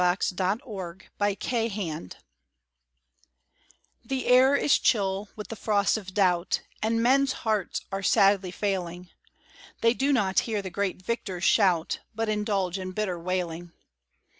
GOD'S FOOT ON THE CRADLE The air is chill with the frost of doubt, And men's hearts are sadly failing; They do not hear the great Victor's shout; But indulge in bitter wailing.